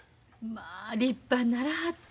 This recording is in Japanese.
まあ立派にならはって。